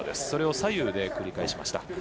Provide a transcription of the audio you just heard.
それを左右で繰り返しました。